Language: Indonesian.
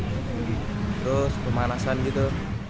terus pemanasan gitu